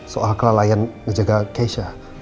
soal kelalaian ngejaga keisha